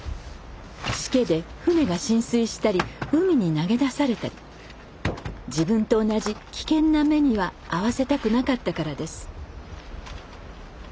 しけで船が浸水したり海に投げ出されたり自分と同じ危険な目には遭わせたくなかったからです。